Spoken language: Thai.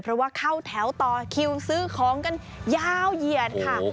เพราะว่าเข้าแถวต่อคิวซื้อของกันยาวเหยียดค่ะ